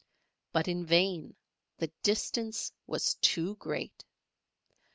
But in vain, the distance was too great.